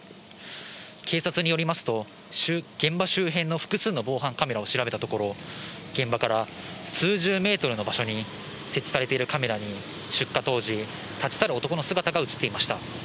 警察によりますと、現場周辺の複数の防犯カメラを調べたところ、現場から数十メートルの場所に設置されているカメラに、出火当時、立ち去る男の姿が写っていました。